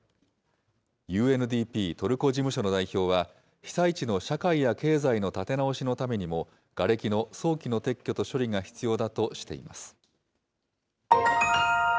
ＵＮＤＰトルコ事務所の代表は、被災地の社会や経済の立て直しのためにも、がれきの早期の撤去と処理が必要だとしています。